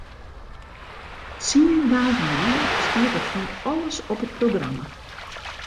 Tsien dagen lang stiet der fan alles op it programma.